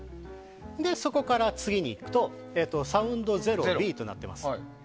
そこから次に行くと「ＳＯＵＮＤ」となってます。